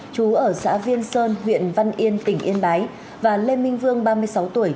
chú ở xã viên sơn huyện văn yên tỉnh yên bái và lê minh vương ba mươi sáu tuổi